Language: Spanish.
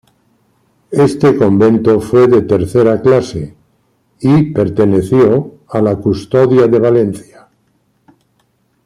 Este convento fue de tercera clase y perteneció a la Custodia de Valencia.